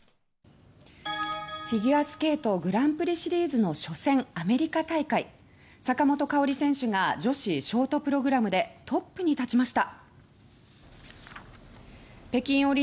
フィギュアスケートグランプリシリーズの初戦アメリカ大会女子ショートプログラムで坂本花織選手がトップに立ちました。